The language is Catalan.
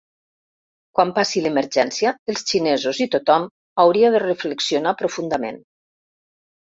Quan passi l’emergència, els xinesos i tothom hauria de reflexionar profundament.